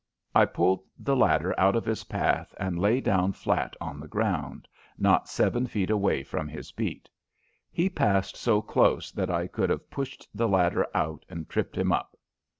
I pulled the ladder out of his path and lay down flat on the ground, not seven feet away from his beat. He passed so close that I could have pushed the ladder out and tripped him up.